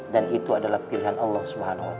dan itu adalah pilihan allah swt